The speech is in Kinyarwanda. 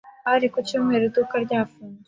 Hari ku cyumweru, iduka ryarafunzwe.